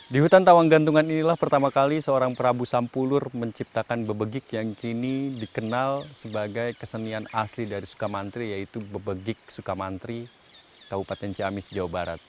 di hutan tawang gantungan inilah pertama kali seorang prabu sampulur menciptakan bebegik yang kini dikenal sebagai kesenian asli dari sukamantri yaitu bebegik sukamantri kabupaten ciamis jawa barat